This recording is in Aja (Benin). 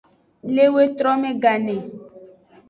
Le wetrome gane.